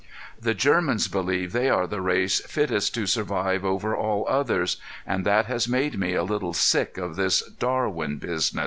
The Germans believe they are the race fittest to survive over all others and that has made me a little sick of this Darwin business.